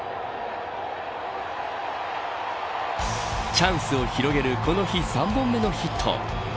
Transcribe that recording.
チャンスを広げるこの日３本目のヒット。